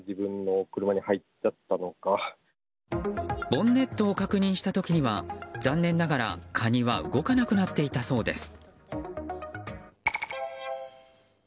ボンネットを確認した時には残念ながらカニは動かなくなっていたそうです。